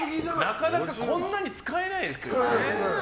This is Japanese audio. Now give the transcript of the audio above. なかなかこんなに使えないですよ。